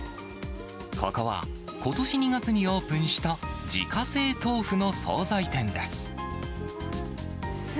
ここは、ことし２月にオープンした自家製豆腐の総菜店です。